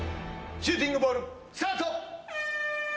シューティングボールスタート！